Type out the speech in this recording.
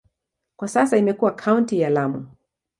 Kwa sasa imekuwa kaunti ya Lamu.